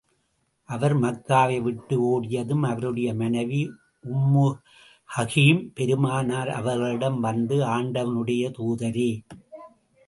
அவர் மக்காவை விட்டு ஒடியதும் அவருடைய மனைவி உம்மு ஹகீம் பெருமானார் அவர்களிடம் வந்து, ஆண்டவனுடைய தூதரே!